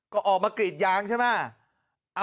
ก็ออกมากรีดยางใช่ไหม